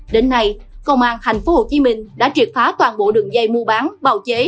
đến nay công an thành phố hồ chí minh đã triệt phá toàn bộ đường dây mua bán bào chế